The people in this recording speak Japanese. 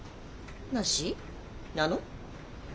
なしなの？